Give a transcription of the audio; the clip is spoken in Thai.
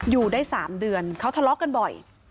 อยู่ได้๓เดือนเขาทะเลาะกันบ่อย